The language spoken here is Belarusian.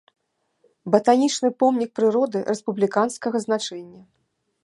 Батанічны помнік прыроды рэспубліканскага значэння.